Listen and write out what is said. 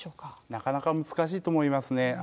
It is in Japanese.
なかなか難しいと思いますね。